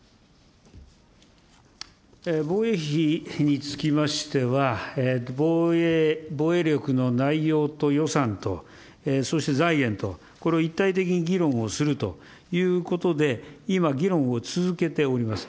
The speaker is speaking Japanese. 防衛費につきましては、防衛力の内容と予算とそして財源と、これを一体的に議論をするということで、今、議論を続けております。